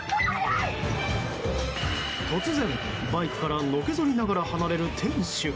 突然、バイクからのけぞりながら離れる店主。